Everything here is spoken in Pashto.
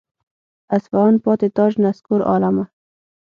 اصفهان پاتې تاج نسکور عالمه.